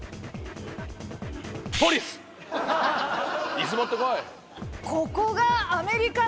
椅子持ってこい！